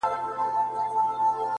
• دى خو بېله تانه كيسې نه كوي ـ